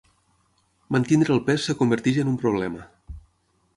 Mantenir el pes es converteix en un problema.